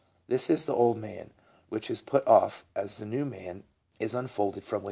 This is the old man, which is put off as the new man is unfolded from within.